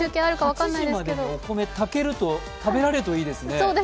８時までにお米炊けると食べられるといいですね。